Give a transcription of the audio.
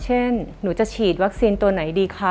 หนูจะฉีดวัคซีนตัวไหนดีคะ